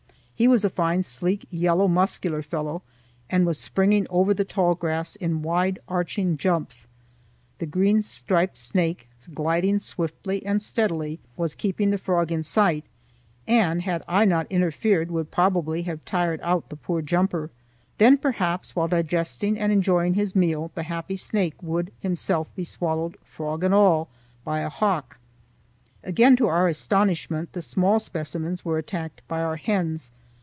He was a fine, sleek yellow muscular fellow and was springing over the tall grass in wide arching jumps. The green striped snake, gliding swiftly and steadily, was keeping the frog in sight and, had I not interfered, would probably have tired out the poor jumper. Then, perhaps, while digesting and enjoying his meal, the happy snake would himself be swallowed frog and all by a hawk. Again, to our astonishment, the small specimens were attacked by our hens.